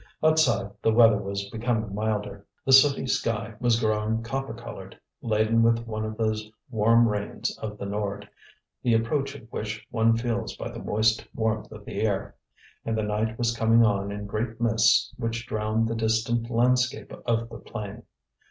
Outside, the weather was becoming milder: the sooty sky was growing copper coloured, laden with one of those warm rains of the Nord, the approach of which one feels by the moist warmth of the air, and the night was coming on in great mists which drowned the distant landscape of the plain.